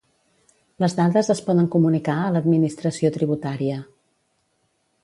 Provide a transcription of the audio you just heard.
Les dades es poden comunicar a l'Administració Tributària.